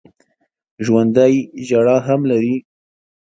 ژوندي ژړا هم لري